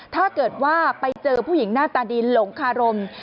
ถ้าเกิดว่าไปเจอผู้หญิงหน้าตาดีหลงคารม